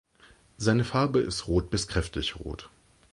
Seine Farbe ist rot bis kräftig rot.